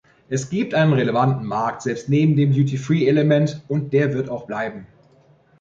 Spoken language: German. Es gibt einen relevanten Markt, selbst neben dem Duty-free-Element, und der wird auch bleiben.